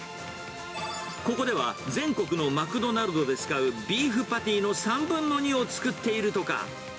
ここでは全国のマクドナルドで使うビーフパティの３分の２を作っているとか。